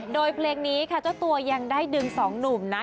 โดยเพลงนี้ค่ะเจ้าตัวยังได้ดึงสองหนุ่มนะ